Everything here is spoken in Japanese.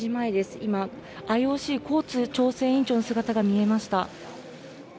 今、ＩＯＣ、コーツ調整委員長の姿が見えました。